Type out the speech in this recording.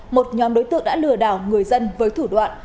một nhóm đối tượng đã lừa đảo người dân với thủ đoạn